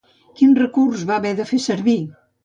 Quin recurs va haver de fer servir?